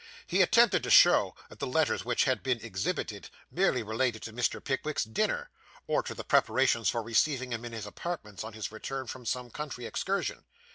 He attempted to show that the letters which had been exhibited, merely related to Mr. Pickwick's dinner, or to the preparations for receiving him in his apartments on his return from some country excursion.